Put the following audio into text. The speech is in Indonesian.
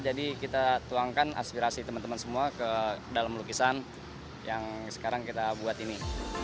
jadi kita tuangkan aspirasi teman teman semua ke dalam lukisan yang sekarang kita buat ini